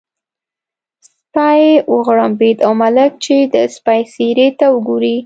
سپی وغړمبېد او ملک چې د سپي څېرې ته وګوري.